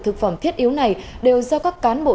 thực phẩm thiết yếu này đều do các cán bộ